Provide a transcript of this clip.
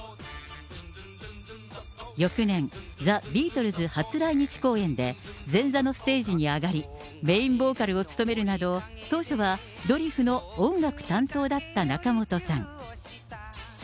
翌年、ザ・ビートルズ初来日公演で、前座のステージに上がり、メインボーカルを務めるなど、当初はドリフの音楽担当だった仲本さん。